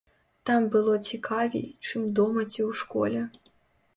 Там было цікавей, чым дома ці ў школе.